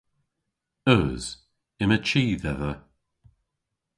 Eus. Yma chi dhedha.